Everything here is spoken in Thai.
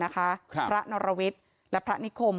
พระหนรวิสและพระนิคม